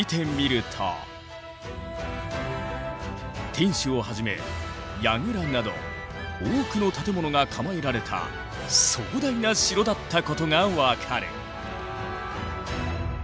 天守をはじめ櫓など多くの建物が構えられた壮大な城だったことが分かる。